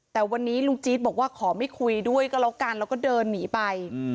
แต่วันนี้ลุงจี๊ดบอกว่าขอไม่คุยด้วยก็แล้วกันแล้วก็เดินหนีไป